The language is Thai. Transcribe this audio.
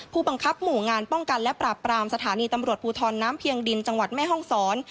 ผู้บังคับหมู่งานป้องกันและปราบปรามสถานีตำรวจภูทรน้ำเพียงดินจังหวัดแม่ห้องศร